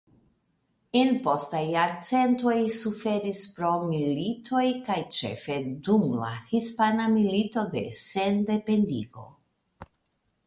En postaj jarcentoj suferis pro militojkaj ĉefe dum la Hispana Milito de Sendependigo.